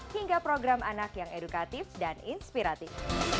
hingga program anak yang edukatif dan inspiratif